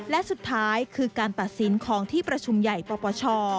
และสุดท้ายคือการตัดสินของที่ประชุมใหญ่ปปช